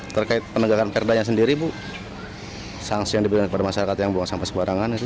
terkait penegakan perdanya sendiri bu sanksi yang diberikan kepada masyarakat yang buang sampah sembarangan itu